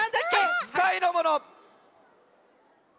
つかいのもの。